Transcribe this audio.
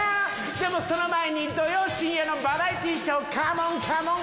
でもその前に土曜深夜のバラエティーショー！カモンカモン！